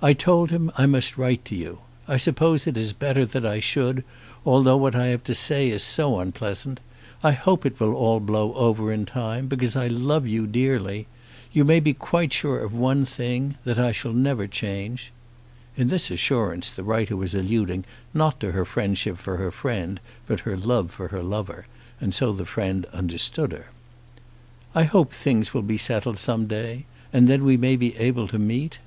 I told him I must write to you. I suppose it is better that I should, although what I have to say is so unpleasant. I hope it will all blow over in time, because I love you dearly. You may be quite sure of one thing, that I shall never change. [In this assurance the writer was alluding not to her friendship for her friend but her love for her lover, and so the friend understood her.] I hope things will be settled some day, and then we may be able to meet.